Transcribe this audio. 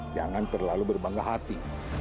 jangan terlalu berbangga hati